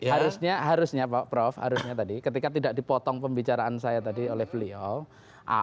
harusnya harusnya pak prof harusnya tadi ketika tidak dipotong pembicaraan saya tadi oleh beliau